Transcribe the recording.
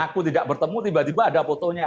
aku tidak bertemu tiba tiba ada fotonya